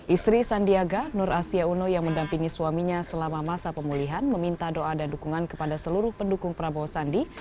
istri sandiaga nur asia uno yang mendampingi suaminya selama masa pemulihan meminta doa dan dukungan kepada seluruh pendukung prabowo sandi